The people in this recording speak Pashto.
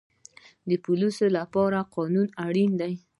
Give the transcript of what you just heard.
د پولیس لپاره قانون اړین دی